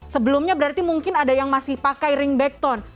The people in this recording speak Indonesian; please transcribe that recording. sebelumnya berarti mungkin ada yang masih pakai ringback tone